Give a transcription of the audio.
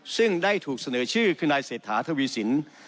ซึ่งได้ถูกเสนอชื่อคือนายเศรษฐาทวีสิน